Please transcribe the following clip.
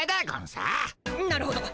なるほど。